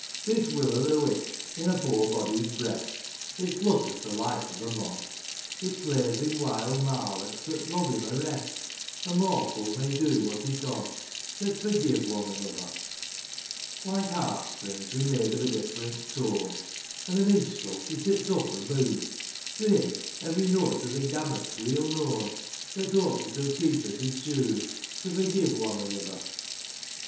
This will o' the wisp in a poor body's breast, It flutters the life of a mon ; It plays him wild marlocks that rob him o' rest, — A mortal may do what he con, — Let's forgive one another ! 8 4 50 LANCASHIRE POEMS AND SONGS : IV. Like harp strings, we're made of a different tone, And the minstrel, he sits up aboon ; To him every note of the gamut's weel known, Let's hope that he'll keep us i' tune, To forgive one another